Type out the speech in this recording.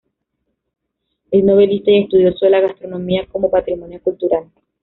Es novelista y estudioso de la gastronomía como patrimonio cultural.